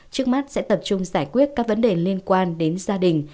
trước mắt sẽ tập trung giải quyết các vấn đề liên quan đến gia đình